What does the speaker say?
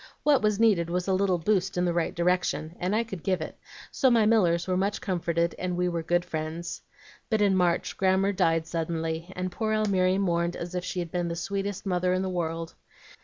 What was needed was a little 'boost' in the right direction, and I could give it; so my Millers were much comforted, and we were good friends. But in March Grammer died suddenly, and poor Almiry mourned as if she had been the sweetest mother in the world.